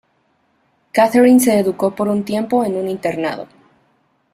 Catherine se educó por un tiempo en un internado.